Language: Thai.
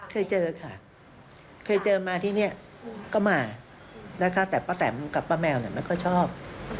เคยเจอค่ะเคยเจอมาที่นี่ก็มานะคะแต่ป้าแตมกับป้าแมวไม่ค่อยชอบ